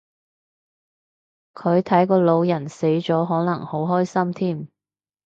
佢睇個老人死咗可能好開心添